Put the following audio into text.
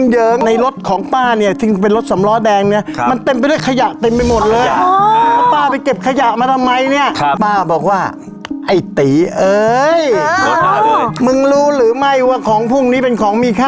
เจอกับเจอป้าแก่มือผมเผ่ายุ่งเยิง